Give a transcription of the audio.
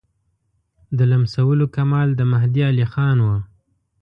د لمسولو کمال د مهدي علیخان وو.